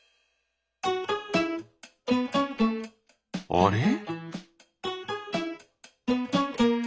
あれ？